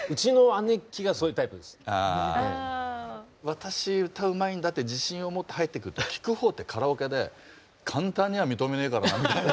私歌うまいんだって自信を持って入ってくると聴く方ってカラオケで簡単には認めねえからなみたいな。